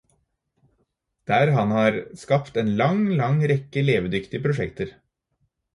Der han har skapt en lang, lang rekke levedyktige prosjekter.